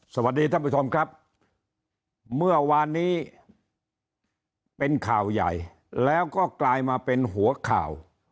สวัสดีท่านผู้ชมครับเมื่อวานนี้เป็นข่าวใหญ่แล้วก็กลายมาเป็นหัวข่าว